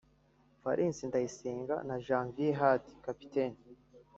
Valens Ndayisenga na Janvier Hadi (Kapiteni)